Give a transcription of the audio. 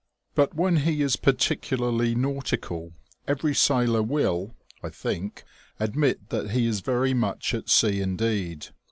But when he is particularly nautical every sailor will, I thinky admit that he is very much at sea indeed.